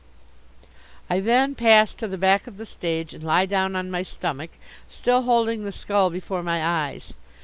"I then pass to the back of the stage and lie down on my stomach, still holding the skull before my eyes.